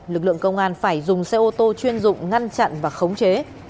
lực lượng công an phải dùng xe ô tô chuyên dụng ngăn chặn và khống chế